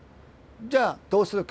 じゃあどうするか。